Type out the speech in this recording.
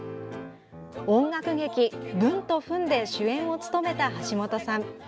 音楽劇「ブンとフン」で主演を務めた橋本さん。